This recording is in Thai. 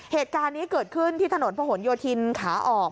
เหตุการณ์นี้เกิดขึ้นที่ถนนพะหนโยธินขาออก